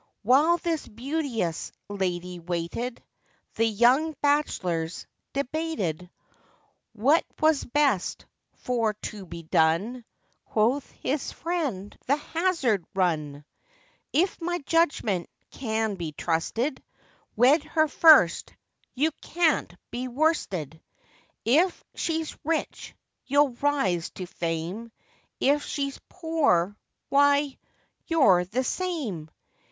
While this beauteous lady waited, The young bachelors debated What was best for to be done: Quoth his friend, 'The hazard run. 'If my judgment can be trusted, Wed her first, you can't be worsted; If she's rich, you'll rise to fame, If she's poor, why! you're the same.